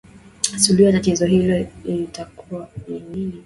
suluhu ya tatizo hilo itakuwa ni nini